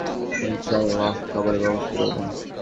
সেগুলো খেয়ে শেষ করলে ইনশাআল্লাহ আল্লাহ খাবারের ব্যবস্থা করবেন।